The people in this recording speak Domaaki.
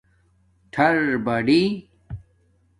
ٹھار بڑئ